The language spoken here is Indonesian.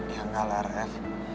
ya enggak lah ref